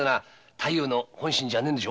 太夫の本心じゃねえんでしょ。